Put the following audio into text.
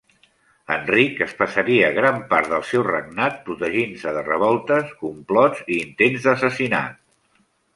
Enric es passaria gran part del seu regnat protegint-se de revoltes, complots i intents d'assassinat.